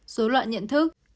dối loạn nhận thức